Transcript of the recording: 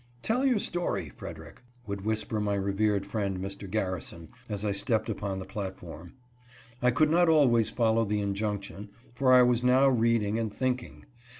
" Tell your story, Frederick," would whisper my revered friend, Mr. Garrison, as I stepped upon the platform. I could not always follow the injunction, for I was now reading and thinking.